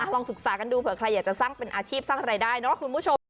ลองศึกษากันดูเผื่อใครอยากจะสร้างเป็นอาชีพสร้างรายได้เนาะคุณผู้ชม